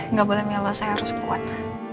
nggak boleh nyala saya harus kuat